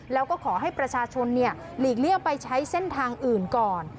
แล้วก็ขอให้ประชาชนหลีกเลี่ยงไปใช้เส้นทางอื่นก่อน